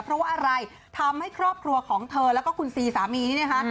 เพราะว่าอะไรทำให้ครอบครัวของเธอแล้วก็คุณซีสามีนี่นะคะ